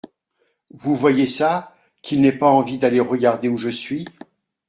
Vous voyez ça ? Qu'il n'ait pas envie d'aller regarder où je suis.